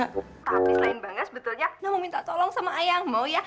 tapi selain bangga sebetulnya nak mau minta tolong sama ayang mau ya